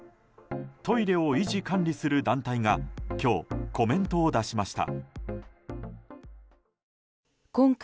トイレを維持・管理する団体が今日、コメントを出しました。